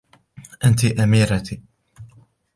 أنت أميرتي.